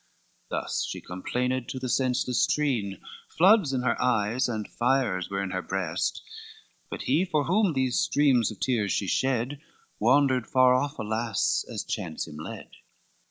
Thus she complained to the senseless treen, Floods in her eyes, and fires were in her breast; But he for whom these streams of tears she shed, Wandered far off, alas, as chance him led.